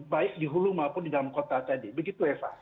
baik di hulu maupun di dalam kota tadi begitu eva